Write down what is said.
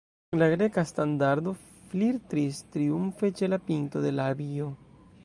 La Greka standardo flirtis triumfe ĉe la pinto de l' abio.